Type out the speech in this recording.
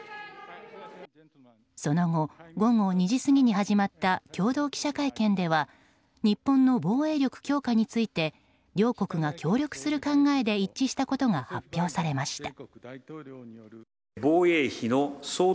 その後、午後２時過ぎに始まった共同記者会見では日本の防衛力強化について両国が協力する考えで一致したことが発表されました。